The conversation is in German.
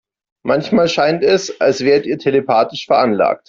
Manchmal scheint es, als wärt ihr telepathisch veranlagt.